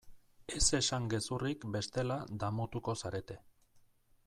Ez esan gezurrik bestela damutuko zarete.